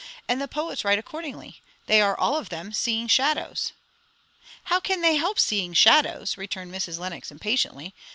"And the poets write accordingly. They are all of them seeing shadows." "How can they help seeing shadows?" returned Mrs. Lenox impatiently.